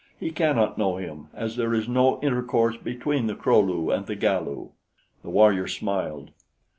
He cannot know him, as there is no intercourse between the Kro lu and the Galu." The warrior smiled.